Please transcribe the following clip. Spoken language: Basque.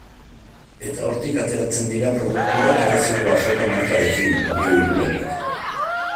Eta hortik ateratzen dira produktuak Errezilgo Azoka markarekin, dio Irulegik.